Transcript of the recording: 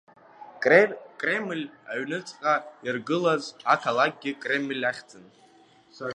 Кремль аҩнуҵҟа иргылаз ақалақьгьы Кремль ахьӡын.